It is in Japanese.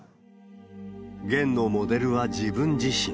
ゲンのモデルは自分自身。